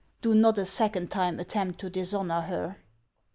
Do not a second time attempt to dishonor her."